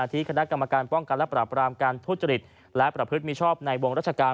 ที่คณะกรรมการป้องกันและปราบรามการทุจริตและประพฤติมิชอบในวงราชการ